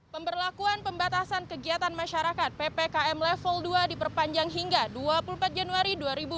pemberlakuan pembatasan kegiatan masyarakat ppkm level dua diperpanjang hingga dua puluh empat januari dua ribu dua puluh